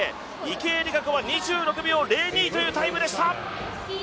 池江璃花子が２６秒０２というタイムでした。